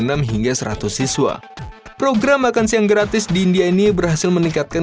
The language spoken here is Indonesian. enam hingga seratus siswa program makan siang gratis di india ini berhasil meningkatkan